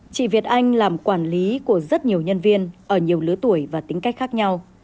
chị việt anh làm quản lý của rất nhiều nhân viên ở nhiều lứa tuổi và tính cách khác nhau